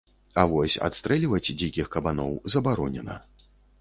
А вось адстрэльваць дзікіх кабаноў забаронена.